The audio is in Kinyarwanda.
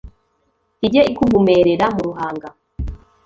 Ijye ikuvumerera mu ruhanga